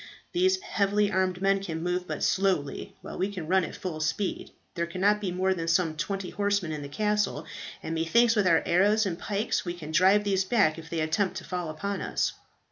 These heavily armed men can move but slowly; while we can run at full speed. There cannot be more than some twenty horsemen in the castle; and methinks with our arrows and pikes we can drive these back if they attempt to fall upon us."